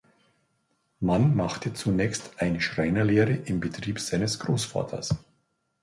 Mann machte zunächst eine Schreinerlehre im Betrieb seines Großvaters.